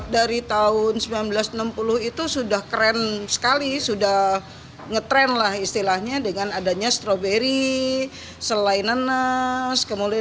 dari tahun seribu sembilan ratus enam puluh itu sudah keren sekali sudah ngetrend lah istilahnya dengan adanya stroberi selain nanas